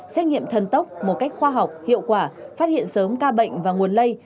xét nghiệm thần tốc một cách khoa học hiệu quả phát hiện sớm ca bệnh và nguồn lây